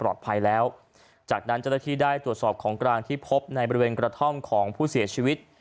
แล้วจากนั้นเจ้าหน้าที่ได้ตรวจสอบของกลางที่พบในบริเวณกระท่อมของผู้เสียชีวิต